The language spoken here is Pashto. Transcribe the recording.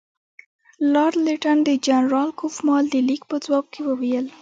لارډ لیټن د جنرال کوفمان د لیک په ځواب کې وویل.